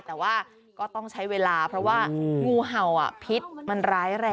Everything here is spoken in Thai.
แต่ว่าก็ต้องใช้เวลาเพราะว่างูเห่าพิษมันร้ายแรง